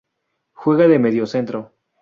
Juega de mediocentro.